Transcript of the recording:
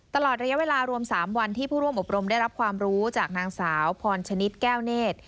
ตลอดระยะเวลารวม๓วันที่ผู้ร่วมอบรมได้รับความรู้จากนางสาวพรชนิดแก้วเนธ